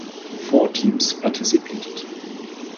Four teams participated.